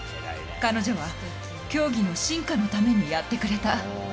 彼女は競技の進化のためにやってくれた。